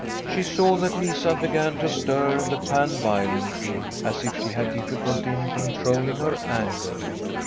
She saw that Lisa began to stir the pan vio lently, as if she had difficulty in controlling her anger.